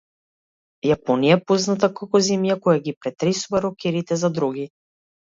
Јапонија е позната како земја која ги претресува рокерите за дроги.